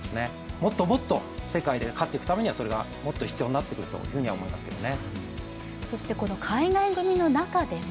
もっともっと世界で勝ってくためにはそれが必要になってくると思いますけどね。